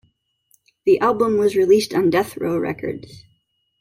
The album was released on Death Row Records.